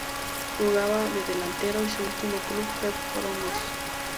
Jugaba de delantero y su último club fue Porongos.